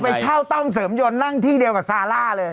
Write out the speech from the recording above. ไปเช่าต้อมเสริมยนต์นั่งที่เดียวกับซาร่าเลย